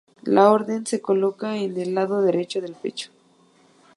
La orden se coloca en el lado derecho del pecho.